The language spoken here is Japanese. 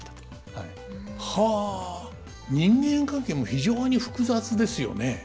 人間関係も非常に複雑ですよね。